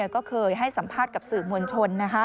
ก็เคยให้สัมภาษณ์กับสื่อมวลชน